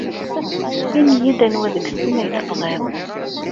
Ini-iyi-d anwa deg-sen ay tebɣiḍ.